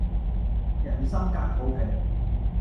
人心隔肚皮